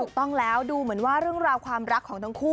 ถูกต้องแล้วดูเหมือนว่าเรื่องราวความรักของทั้งคู่